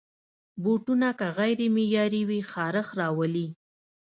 بوټونه که غیر معیاري وي، خارش راولي.